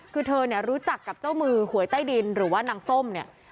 คือเธอเนี่ยรู้จักกับเจ้ามือหวยใต้ดินหรือว่านางส้มเนี่ย